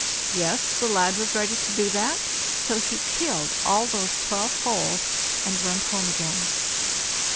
Yes! the lad was ready to do that; so he killed all those twelve foals, and went home again.